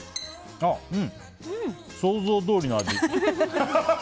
想像どおりの味。